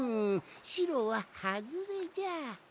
しろははずれじゃ。